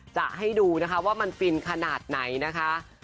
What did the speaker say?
จะให้ดูนะคะว่ามันฟินขนาดไหนนะคะ